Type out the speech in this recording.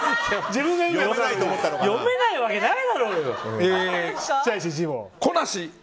読めないわけないもの。